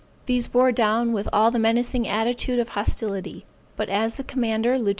These bore down with all the menacing attitude of hostility; but as the commander, Lieut.